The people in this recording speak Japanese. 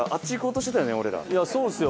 そうですよ